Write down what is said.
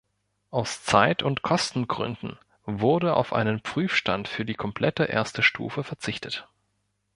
Aus Zeit- und Kostengründen wurde auf einen Prüfstand für die komplette erste Stufe verzichtet.